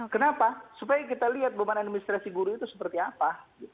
kenapa supaya kita lihat beban administrasi guru itu seperti apa